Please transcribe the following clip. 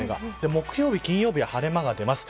木曜日、金曜日は晴れ間が出ます。